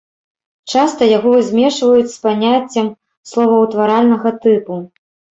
Часта яго змешваюць з паняццем словаўтваральнага тыпу.